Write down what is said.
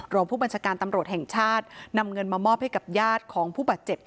รองผู้บัญชาการตำรวจแห่งชาตินำเงินมามอบให้กับญาติของผู้บาดเจ็บ